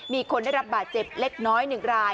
มีคนได้รับบาดเจ็บเล็กน้อย๑ราย